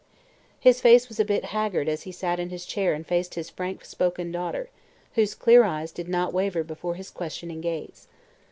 His face was a bit haggard as he sat in his chair and faced his frank spoken daughter, whose clear eyes did not waver before his questioning gaze.